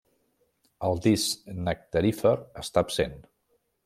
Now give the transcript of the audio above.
El disc nectarífer està absent.